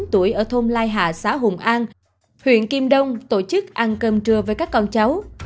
bốn mươi chín tuổi ở thôn lai hà xã hùng an huyện kim đông tổ chức ăn cơm trưa với các con cháu